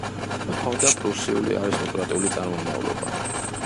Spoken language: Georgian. ჰქონდა პრუსიული არისტოკრატიული წარმომავლობა.